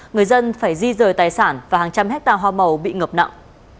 người dân phải di rời tài sản và hàng trăm hectare hoa màu bị ngập nặng